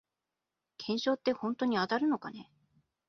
懸賞ってほんとに当たるのかね